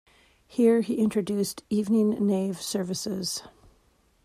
Here he introduced evening nave services.